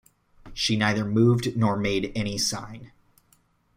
She neither moved nor made any sign.